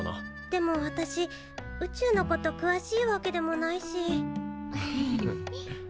でも私宇宙のことくわしいわけでもないし。ははっ。